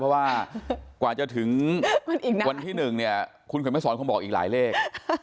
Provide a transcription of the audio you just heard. เพราะว่ากว่าจะถึงวันที่๑คุณคุณพี่เสริมไม่สอนของบอกอีกหลายเลข